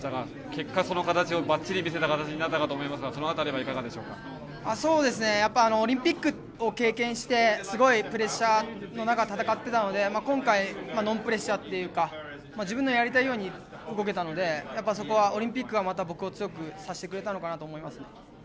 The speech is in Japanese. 結果、その形をばっちり見せたと思いますがオリンピックを経験してすごいプレッシャーの中戦っていたので今回、ノンプレッシャーというか自分のやりたいように動けたのでオリンピックがまた僕を強くさせてくれたと思います。